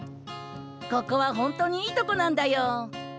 ここは本当にいいとこなんだよ。